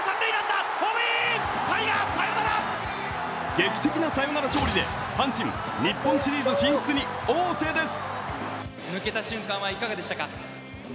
劇的なサヨナラ勝利で阪神日本シリーズ進出に王手です。